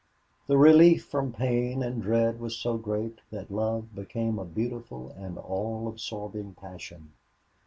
The relief from pain and dread was so great that love became a beautiful and all absorbing passion.